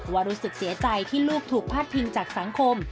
รู้สึกเสียใจที่ลูกถูกพาดพิงจากสังคม